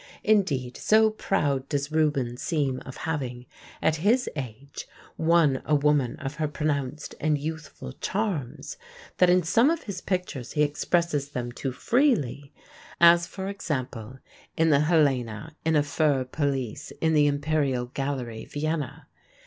Indeed, so proud does Rubens seem of having, at his age, won a woman of her pronounced and youthful charms, that in some of his pictures he expresses them too freely, as, for example, in the Helena in a fur pelisse in the Imperial Gallery, Vienna.